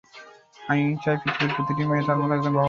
আমি চাই, পৃথিবীর প্রতিটি মেয়ে তাঁর মতো একজন বাবা যেন পায়।